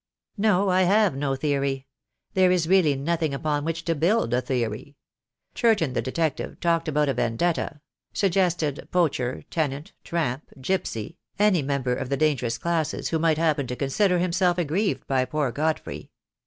"No, I have no theory. There is really nothing upon which to build a theory. Churton, the detective, talked about a vendetta — suggested poacher, tenant, tramp, gipsy, any member of the dangerous classes who might happen to consider himself aggrieved by poor Godfrey.